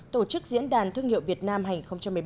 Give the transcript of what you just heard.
tổ chức diễn đàn thương hiệu việt nam hành một mươi bốn